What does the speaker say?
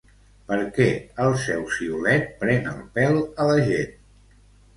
Per què el seu siulet pren el pèl a la gent?